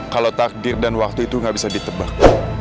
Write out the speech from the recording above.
kalau takdir dan waktu itu gak bisa ditebak